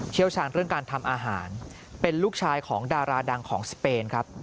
เชี่ยวชาญเรื่องการทำอาหารเป็นลูกชายของดาราดังของสเปนครับ